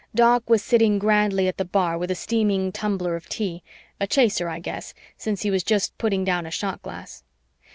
Doc was sitting grandly at the bar with a steaming tumbler of tea a chaser, I guess, since he was just putting down a shot glass.